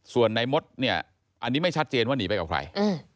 ส่วนในมดเนี่ยอันนี้ไม่ชัดเจนว่าหนีไปกับใคร